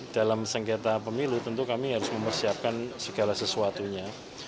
dalam sengketa pemilu tentu kami harus mempersiapkan segala sesuatunya